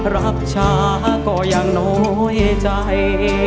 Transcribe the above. รับช้าก็ยังน้อยใจ